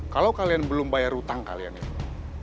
kalau kalian belum bayar utang kalian itu